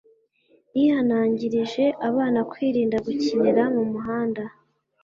yihanangirije abana kwirinda gukinira mu muhanda